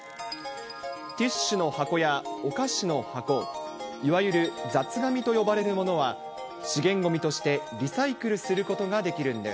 ティッシュの箱やお菓子の箱、いわゆる雑がみと呼ばれるものは、資源ごみとしてリサイクルすることができるんです。